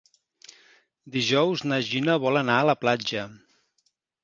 Dijous na Gina vol anar a la platja.